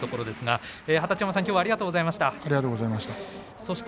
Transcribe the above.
二十山さんありがとうございました。